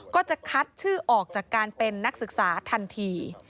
ก็จะคัดชื่อออกจากการเป็นนักศึกษาทันที